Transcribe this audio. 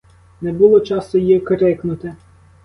Не було часу й крикнути.